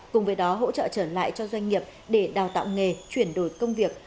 cùng với đó hỗ trợ trở lại cho doanh nghiệp để đào tạo nghề chuyển đổi công việc